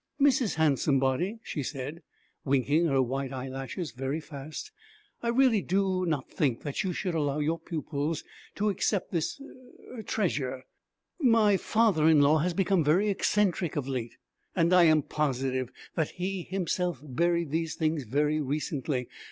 'Mrs. Handsomebody,' she said, winking her white eyelashes very fast, 'I really do not think that you should allow your pupils to accept this er treasure. My father in law has become very eccentric of late, and I am positive that he himself buried these things very recently.